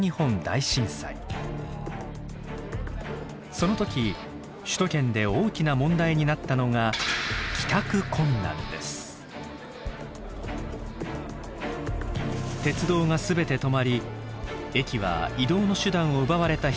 その時首都圏で大きな問題になったのが鉄道が全て止まり駅は移動の手段を奪われた人たちであふれ大混乱。